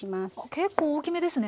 結構大きめですね。